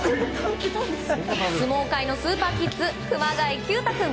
相撲界のスーパーキッズ熊谷毬太君。